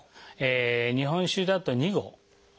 日本酒だと２合。